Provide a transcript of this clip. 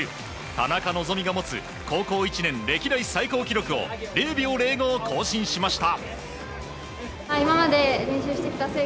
田中希実が持つ高校１年歴代最高記録を０秒０５更新しました。